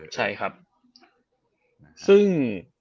ใช่ครับซึ่ง